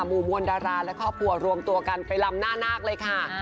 หมู่มวลดาราและครอบครัวรวมตัวกันไปลำหน้านาคเลยค่ะ